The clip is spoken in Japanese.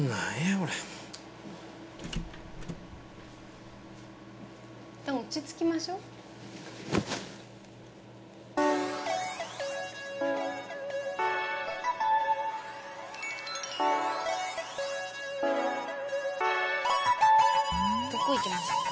これ一旦落ち着きましょどこ行きましょうか？